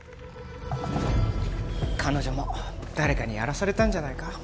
彼女も誰かにやらされたんじゃないか